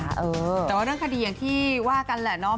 แต่ว่าเรื่องคดีอย่างที่ว่ากันแหละเนาะ